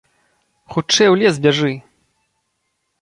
Хутчэй у лес бяжы!